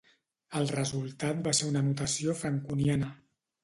El resultat va ser una notació franconiana.